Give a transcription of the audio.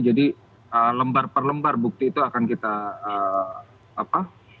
jadi lembar per lembar bukti itu akan kita apa